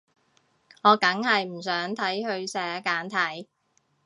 我梗係唔想睇佢寫簡體